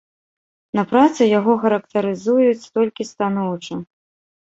На працы яго характарызуюць толькі станоўча.